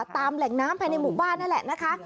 ตามแหล่งน้ำภายในหมู่บ้านนั่นแหละนะคะ